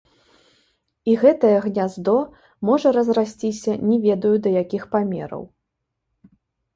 І гэтае гняздо можа разрасціся не ведаю да якіх памераў.